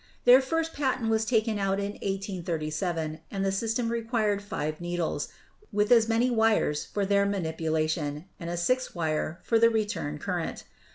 Their first patent was taken out in 1837; and the system required five needles, with as many wires for their manipu lation, and a sixth wire for the "return current."